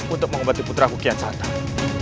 untuk mengobati putraku kian datang